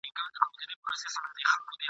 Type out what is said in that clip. شپې چي مي په صبر سپینولې اوس یې نه لرم !.